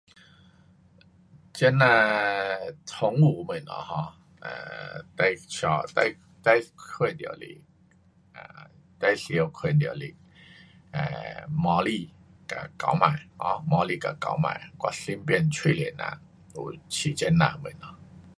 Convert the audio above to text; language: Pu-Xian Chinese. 这呐宠物东西 um 呃，最带，最，最看到是，啊，最常看到是，呃，猫咪跟狗霾。um 猫咪跟狗霾。我身边许多人，有养这呐东西。